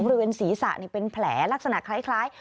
บริเวณศีรษะเป็นแผลลักษณะคล้าย